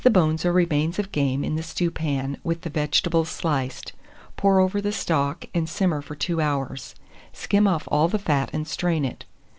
Place the bones or remains of game in the stewpan, with the vegetables sliced; pour over the stock, and simmer for 2 hours; skim off all the fat, and strain it.